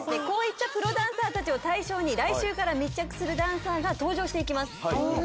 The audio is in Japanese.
こういったプロダンサーたちを対象に来週から密着するダンサーが登場していきます。